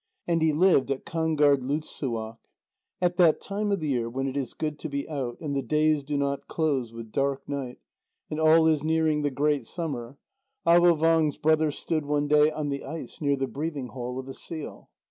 And he lived at Kangerdlugssuaq. At that time of the year when it is good to be out, and the days do not close with dark night, and all is nearing the great summer, Avôvang's brother stood one day on the ice near the breathing hole of a seal.